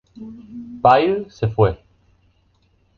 Pyle se fue.